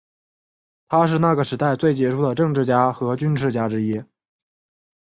他是那个时代最杰出的政治家和军事家之一。